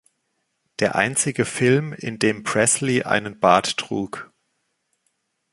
Der einzige Film, in dem Presley einen Bart trug.